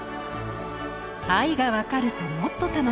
愛が分かるともっと楽しい。